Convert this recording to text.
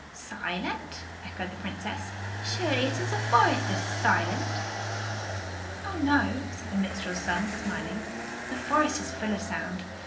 "Silent?" echoed the Princess. "Surely, it is the forest that is silent!" "Oh, no," said the minstrel's son, smiling; "the forest is full of sound.